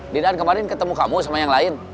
didan kemarin ketemu kamu sama yang lain